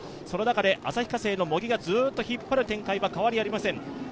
その中で旭化成の茂木がずっと引っ張る展開は変わりません。